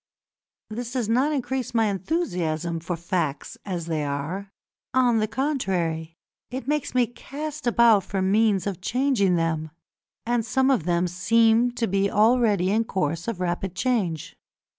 This does not increase my enthusiasm for facts as they are; on the contrary, it makes me cast about for means of changing them, and some of them seem to be already in course of rapid change.